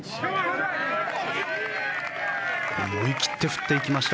思い切って振っていきました